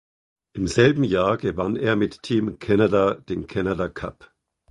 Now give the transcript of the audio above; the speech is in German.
Im selben Jahr gewann er mit Team Canada den Canada Cup.